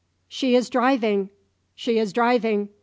"She is driving! she is driving!"